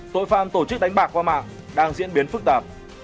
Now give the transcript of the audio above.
tội phạm tổ chức đánh bạc qua mạng đang diễn biến phức tạp